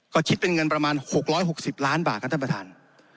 ก็คิดเป็นเงินประมาณ๖๖๐ล้านบาทครับท่านประธาน